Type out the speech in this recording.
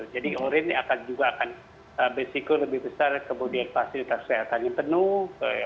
jadi orange ini akan juga beresiko lebih besar kemudian fasilitas kesehatannya penuh